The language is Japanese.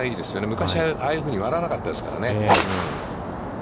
昔はああいうふうに笑わなかったですよね。